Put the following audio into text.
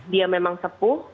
dia memang sepuh